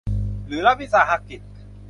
หรือรัฐวิสาหกิจ